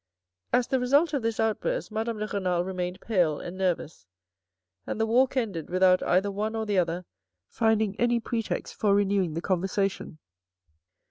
As the result of this outburst, Madame de Renal remained pale and nervous, and the walk ended without either one or the other finding any pretext for renewing the conversation.